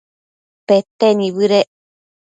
pete nibëdec